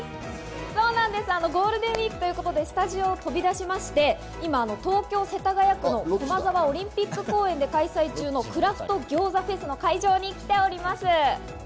ゴールデンウイークということで、スタジオを飛び出しまして、今、東京・世田谷区の駒沢オリンピック公園で開催中のクラフト餃子フェスの会場に来ております。